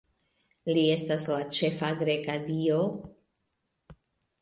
Li estas la ĉefa greka dio.